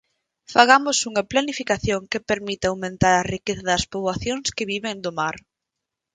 Fagamos unha planificación que permita aumentar a riqueza das poboacións que viven do mar.